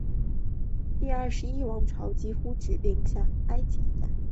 第二十一王朝几乎只能号令下埃及一带。